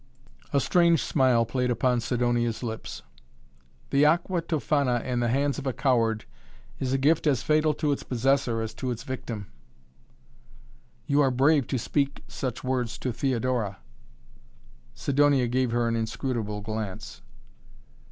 A strange smile played upon Sidonia's lips. "The Aqua Tofana in the hands of a coward is a gift as fatal to its possessor as to its victim!" "You are brave to speak such words to Theodora!" Sidonia gave her an inscrutable glance.